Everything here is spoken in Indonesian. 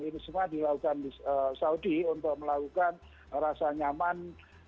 ini semua dilakukan di saudi untuk melakukan rasa nyaman